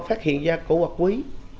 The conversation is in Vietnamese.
phát hiện ra cổ vật quý